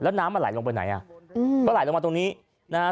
แล้วน้ำมันไหลลงไปไหนอ่ะอืมก็ไหลลงมาตรงนี้นะฮะ